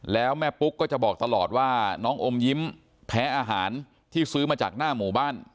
แล้วแม่ปุ๊กก็จะบอกตลอดว่าน้องอมยิ้มแพ้อาหารที่ซื้อมาจากหน้าหมู่บ้าน